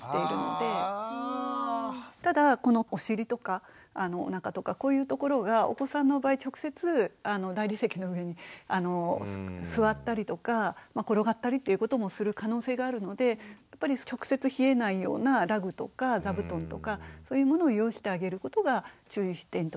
ただこのお尻とかおなかとかこういうところがお子さんの場合直接大理石の上に座ったりとか転がったりっていうこともする可能性があるのでやっぱり直接冷えないようなラグとか座布団とかそういうものを用意してあげることが注意点としては大切だと思います。